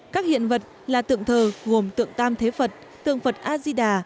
các hiện vật là tượng thờ gồm tượng tam thế phật tượng phật a di đà